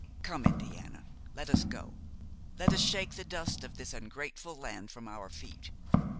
Come, Indiana, let us go; let us shake the dust of this ungrateful land from our feet.